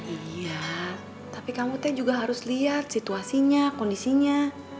iya tapi kamu teh juga harus lihat situasinya kondisinya